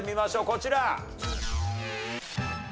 こちら。